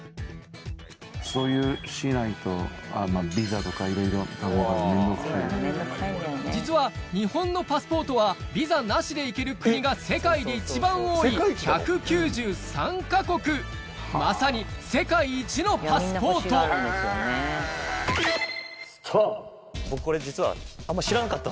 さらに実は日本のパスポートはビザなしで行ける国が世界で一番多い１９３か国まさに世界一のパスポート僕これ実はあんま。